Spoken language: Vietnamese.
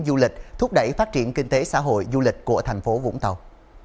du lịch thúc đẩy phát triển kinh tế xã hội du lịch của tp vũng tàu